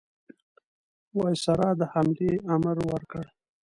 وایسرا د حملې امر ورکړ.